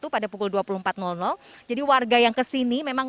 pada pukul dua puluh empat jadi warga yang kesini memang